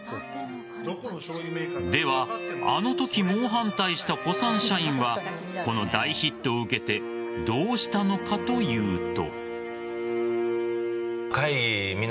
では、あのとき猛反対した古参社員はこの大ヒットを受けてどうしたのかというと。